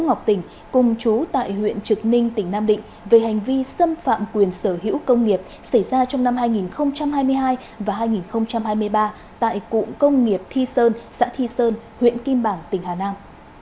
nguyễn ngọc tỉnh cùng chú tại huyện trực ninh tỉnh nam định về hành vi xâm phạm quyền sở hữu công nghiệp xảy ra trong năm hai nghìn hai mươi hai và hai nghìn hai mươi ba tại cụng công nghiệp thi sơn xã thi sơn huyện kim bảng tỉnh hà nam